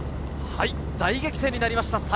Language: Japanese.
大激戦になりました